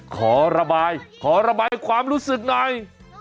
ขอระบายขอระบายความรู้สึกหน่อย